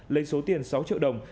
lấy số tiền sáu triệu đồng